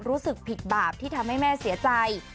รู้สึกผิดบาปที่ทำให้แม่เสียใจ